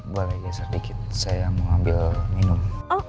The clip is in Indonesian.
boleh geser dikit saya mau ambil minum